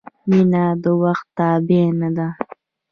• مینه د وخت تابع نه ده.